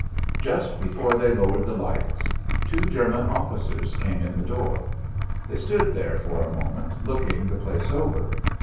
Just before they lowered the lights two German officers came in the door. They stood there for a moment looking the place over.